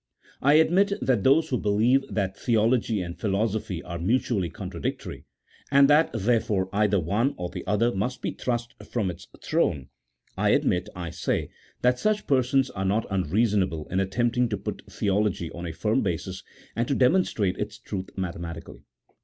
I admit that those who believe that theology and philo sophy are mutually contradictory, and that therefore either one or the other must be thrust from its throne — I admit, I say, that such persons are not unreasonable in attempting to put theology on a firm basis, and to demonstrate its truth mathematically.